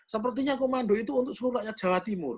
sepertinya komando itu untuk seluruh rakyat jawa timur